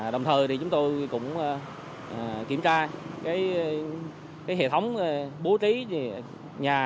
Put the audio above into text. đồng thời thì chúng tôi cũng kiểm tra cái hệ thống bố trí nhà